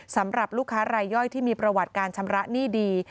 สำหรับลูกค้ารายย่อยที่มีประวัติการชำระหนี้ดี